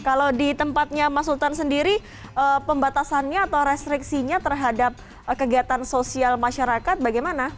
kalau di tempatnya mas sultan sendiri pembatasannya atau restriksinya terhadap kegiatan sosial masyarakat bagaimana